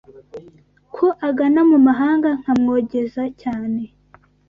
Ko agana mu mahanga Nkamwogeza cyane